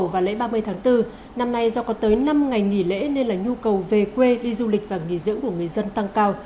vào lễ ba mươi tháng bốn năm nay do có tới năm ngày nghỉ lễ nên là nhu cầu về quê đi du lịch và nghỉ dưỡng của người dân tăng cao